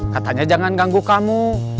katanya jangan ganggu kamu